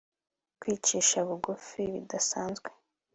Kwicisha bugufi bidasanzwe